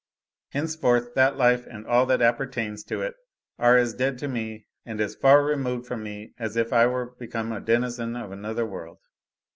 Henceforth that life and all that appertains to it are as dead to me and as far removed from me as if I were become a denizen of another world."